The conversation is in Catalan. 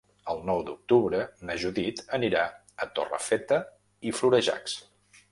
El nou d'octubre na Judit anirà a Torrefeta i Florejacs.